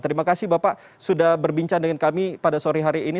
terima kasih bapak sudah berbincang dengan kami pada sore hari ini